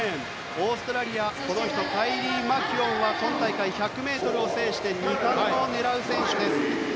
オーストラリアカイリー・マキュオンは今大会、１００ｍを制して２冠を狙う選手です。